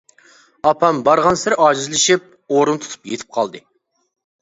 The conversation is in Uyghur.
ئاپام بارغانسېرى ئاجىزلىشىپ، ئورۇن تۇتۇپ يېتىپ قالدى.